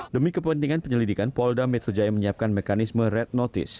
demi kepentingan penyelidikan polda metro jaya menyiapkan mekanisme red notice